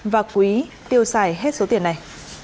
và quý tiêu xài hết số tiền này